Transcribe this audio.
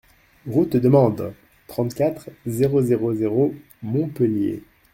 Route de Mende, trente-quatre, zéro zéro zéro Montpellier